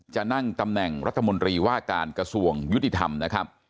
จะนั่งตำแหน่งรัฐมนตรีว่าการกระทรวงยุติธรรมนะครับ